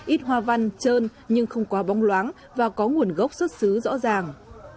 ít hoa văn trơn nhưng không quá bong luáng và có nguồn gốc xuất xứ rõ ràng